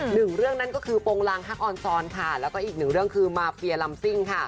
หนึ่งเรื่องนั้นก็คือโปรงลังฮักออนซอนและอีกหนึ่งเรื่องคือมาฟเภียร์ลัมซิ้ง